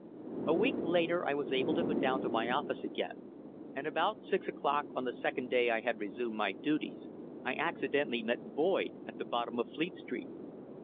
A week later I was able to go down to my office again, and about six o'clock on the second day I had resumed my duties I accidentally met Boyd at the bottom of Fleet Street.